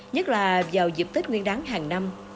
nhất là vào dịp tết nguyên đáng hàng năm